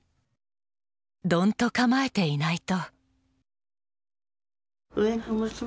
ドンと構えていないと！